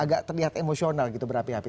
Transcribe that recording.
agak terlihat emosional gitu berapi api